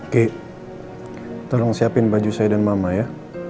kek tolong siapin baju saya dan mama ya